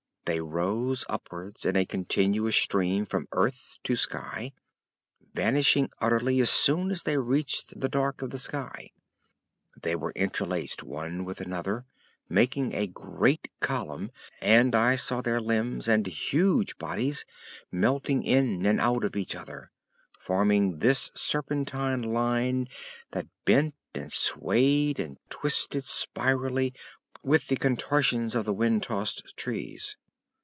They rose upwards in a continuous stream from earth to sky, vanishing utterly as soon as they reached the dark of the sky. They were interlaced one with another, making a great column, and I saw their limbs and huge bodies melting in and out of each other, forming this serpentine line that bent and swayed and twisted spirally with the contortions of the wind tossed trees.